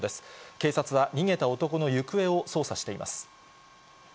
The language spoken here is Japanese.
警察は逃げた男の行方を捜査しています。